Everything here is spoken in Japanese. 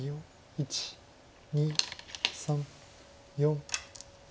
１２３４。